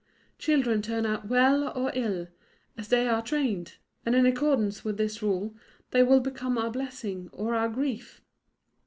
Children turn out well or ill, as they are trained; and in accordance with this rule they will become our blessing or our grief."